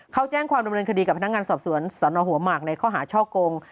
เขาแจ้งความรบริเวณคดีกับพนักงานสอบสวนสหมในข้อหาช่อโกง